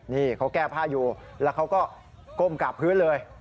นี่เขาแก้ผ้าอยู่แล้วเขาก็ก้มกราบพื้นเลย